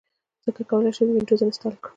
څنګه کولی شم وینډوز انسټال کړم